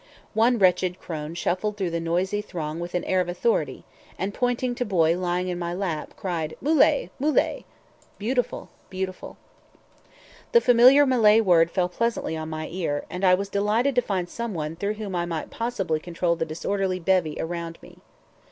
One wretched crone shuffled through the noisy throng with an air of authority, and pointing to Boy lying in my lap, cried, "Moolay, moolay!" "Beautiful, beautiful!" The familiar Malay word fell pleasantly on my ear, and I was delighted to find some one through whom I might possibly control the disorderly bevy around me.